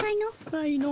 ないの。